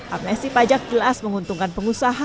amnesti pajak jelas menguntungkan pengusaha